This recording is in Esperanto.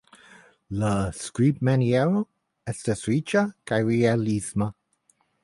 La skribmaniero estas riĉa kaj realisma.